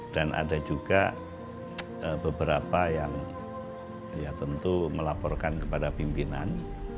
dan ada juga beberapa yang ya tentu melaporkan kepada pimpinan